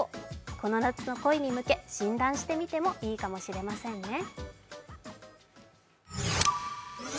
この夏の恋に向け、診断してみてもいいかもしれませんね。